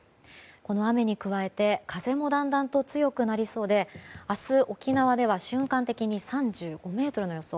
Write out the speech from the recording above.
この雨に加えて風もだんだんと強くなりそうで明日、沖縄では瞬間的に３５メートルの予想。